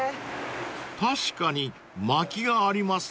［確かにまきがありますね］